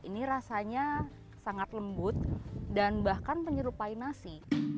ini rasanya sangat lembut dan bahkan menyerupai nasi